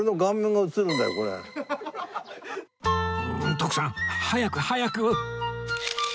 徳さん早く早く！